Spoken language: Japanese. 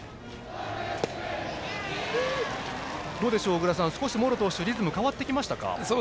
小倉さん、少し茂呂投手リズム変わってきましたか？